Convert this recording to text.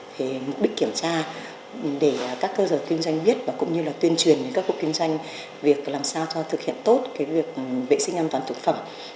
để mục đích kiểm tra để các cơ sở kinh doanh biết và cũng như là tuyên truyền cho các cơ sở kinh doanh việc làm sao cho thực hiện tốt việc vệ sinh an toàn thực phẩm